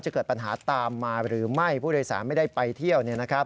จะเกิดปัญหาตามมาหรือไม่ผู้โดยสารไม่ได้ไปเที่ยว